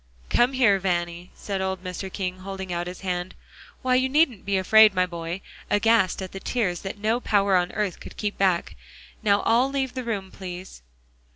"Come here, Vanny," said old Mr. King, holding out his hand. "Why, you needn't be afraid, my boy," aghast at the tears that no power on earth could keep back. "Now all leave the room, please."